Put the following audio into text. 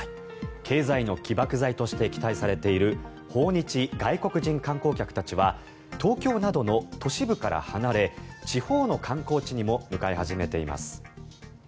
経済の起爆剤として期待されている訪日外国人観光客たちは東京などの都市部から離れ地方の観光地にも向かい始めています。